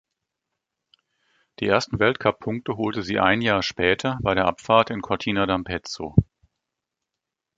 Die ersten Weltcup-Punkte holte sie ein Jahr später bei der Abfahrt in Cortina d’Ampezzo.